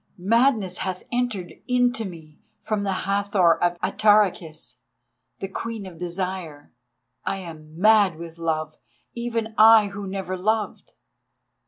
Madness hath entered into me from the Hathor of Atarhechis, the Queen of Desire. I am mad with love, even I who never loved.